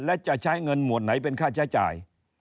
และจะใช้เงินหมวดไหนเป็นค่าใช้จ่าย